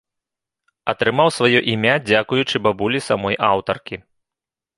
Атрымаў сваё імя дзякуючы бабулі самой аўтаркі.